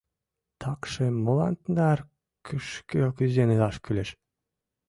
Такшым молан тынар кӱшкӧ кӱзен илаш кӱлеш?